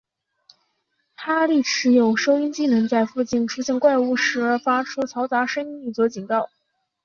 哈利持有的收音机能在附近出现怪物时发出嘈杂的声音以作警告。